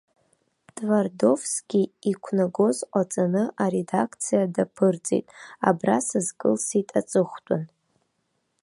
Твардовски иқәнагоз ҟаҵаны аредакциа даԥырҵит абра сазкылсит аҵыхәтәан.